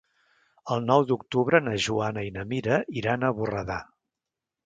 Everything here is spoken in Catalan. El nou d'octubre na Joana i na Mira iran a Borredà.